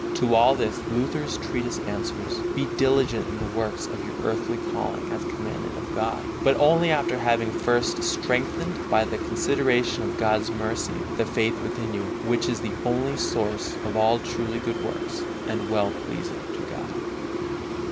To all this Luther's treatise answers: Be diligent in the works of your earthly calling as commanded of God, but only after having first strengthened, by the consideration of God's mercy, the faith within you, which is the only source of all truly good works and well pleasing to God.